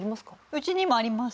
うちにもあります。